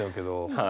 はい。